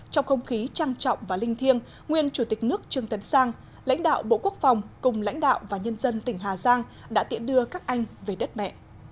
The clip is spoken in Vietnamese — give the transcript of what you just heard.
trong không khí trang trọng và linh thiêng nguyên chủ tịch nước trương tấn sang lãnh đạo bộ quốc phòng cùng lãnh đạo và nhân dân tỉnh hà giang đã tiện đưa các anh về đất mẹ